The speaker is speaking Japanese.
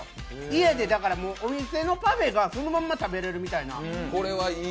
家でお店のパフェがそのまま食べれるみたいな。